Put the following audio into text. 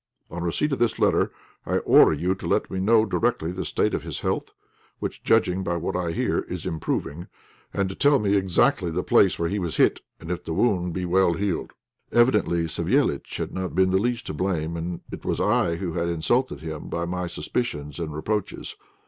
On receipt of this letter, I order you to let me know directly the state of his health, which, judging by what I hear, is improving, and to tell me exactly the place where he was hit, and if the wound be well healed." Evidently Savéliitch had not been the least to blame, and it was I who had insulted him by my suspicions and reproaches.